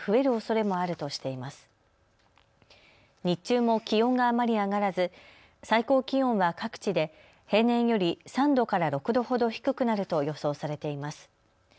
日中も気温があまり上がらず最高気温は各地で平年より３度から６度ほど低くなると予想されています。